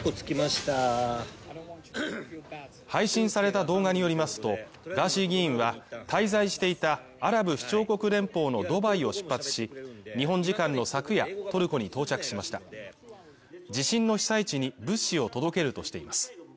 配信された動画によりますとガーシー議員は、滞在していたアラブ首長国連邦のドバイを出発し、日本時間の昨夜、トルコに到着しました地震の被災地に物資を届けるとしています。